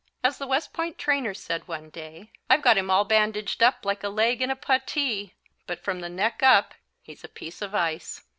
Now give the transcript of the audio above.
As the West Point trainer said one day: "I've got him all bandaged up like a leg in a puttee, but from the neck up he's a piece of ice."